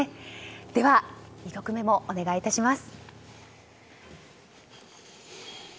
では、２曲目もお願い致します。